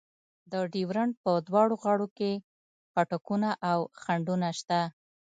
د ډیورنډ په دواړو غاړو کې پاټکونه او خنډونه شته.